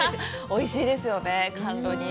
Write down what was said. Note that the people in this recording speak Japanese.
おいしいですよね、甘露煮。